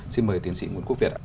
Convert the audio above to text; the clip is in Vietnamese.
xin mời tiến sĩ nguyễn quốc việt